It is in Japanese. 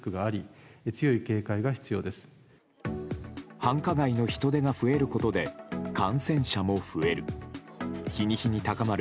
繁華街の人出が増えることで感染者も増える。